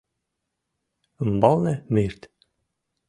Умбалне — мирт